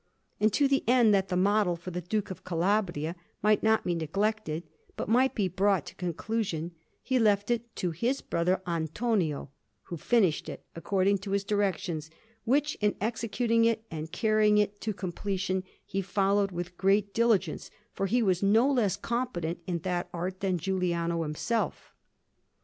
And to the end that the model for the Duke of Calabria might not be neglected, but might be brought to conclusion, he left it to his brother Antonio, who finished it according to his directions, which, in executing it and carrying it to completion, he followed with great diligence, for he was no less competent in that art than Giuliano himself.